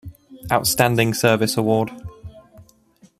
Outstanding Service Award.